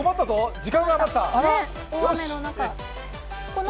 時間が余った。